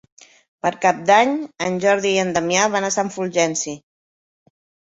Per Cap d'Any en Jordi i en Damià van a Sant Fulgenci.